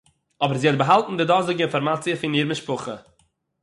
אָבער זי האָט באַהאַלטן די דאָזיגע אינפאָרמאַציע פון איר משפּחה